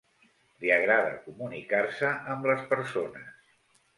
Li agrada comunicar-se amb les persones.